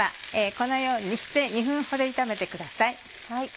このようにして２分ほど炒めてください。